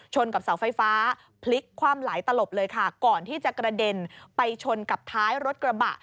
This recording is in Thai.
กับเสาไฟฟ้าพลิกคว่ำหลายตลบเลยค่ะก่อนที่จะกระเด็นไปชนกับท้ายรถกระบะ